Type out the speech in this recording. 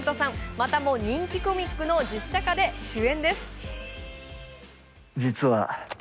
またも人気コミックの実写化で主演です。